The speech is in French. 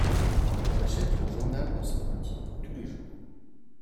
J’achète le journal dans cette boutique tous les jours.